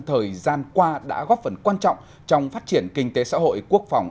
thời gian qua đã góp phần quan trọng trong phát triển kinh tế xã hội quốc phòng